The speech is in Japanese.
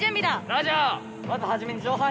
ラジャー！